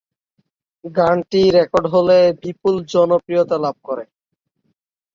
গানটি রেকর্ড করা হলে বিপুল জনপ্রিয়তা লাভ করে।